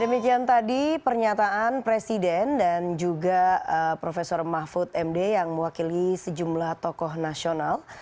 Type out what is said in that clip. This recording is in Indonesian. demikian tadi pernyataan presiden dan juga prof mahfud md yang mewakili sejumlah tokoh nasional